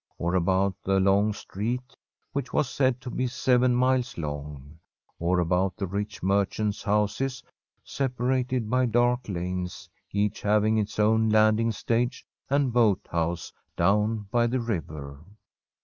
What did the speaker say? Or about the long street, which was said to be seven miles long ! Or about the rich merchants' houses, separated by dark lanes, each having its own landing stage and boathouse down by the river.